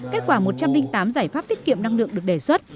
kết quả một trăm linh tám giải pháp tiết kiệm năng lượng được đề xuất